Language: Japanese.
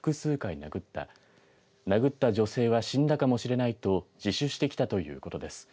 殴った女性は死んだかもしれないと自首してきたということです。